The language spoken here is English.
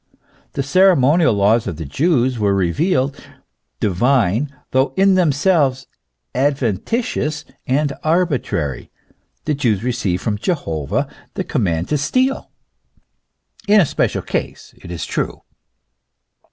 The ceremo nial laws of the Jews were revealed, divine, though in them selves adventitious and arbitrary. The Jews received from Jehovah the command to steal ; in a special case, it is true.